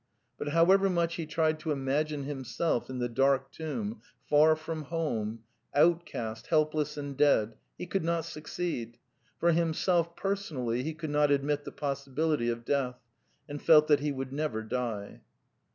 But however much he tried to imagine himself in the dark tomb, far from home, outcast, helpless and dead, he could not succeed; for himself personally he could not admit the possibility of death, and felt that he would never die...